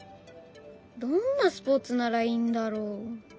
どんなスポーツならいいんだろ？